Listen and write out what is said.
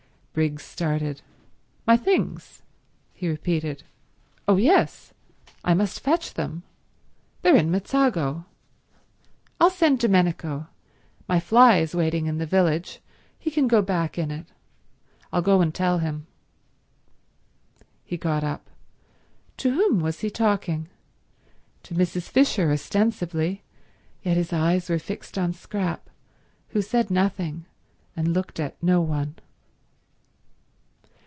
Briggs started. "My things?" he repeated. "Oh yes—I must fetch them. They're in Mezzago. I'll send Domenico. My fly is waiting in the village. He can go back in it. I'll go and tell him." He got up. To whom was he talking? To Mrs. Fisher, ostensibly, yet his eyes were fixed on Scrap, who said nothing and looked at no one.